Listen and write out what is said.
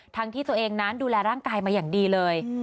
ที่ตัวเองนั้นดูแลร่างกายมาอย่างดีเลย